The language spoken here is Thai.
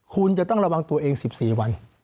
คุณจะต้องระวังตัวเอง๑๔วัน